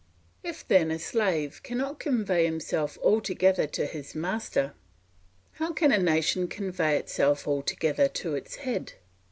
If then a slave cannot convey himself altogether to his master, how can a nation convey itself altogether to its head?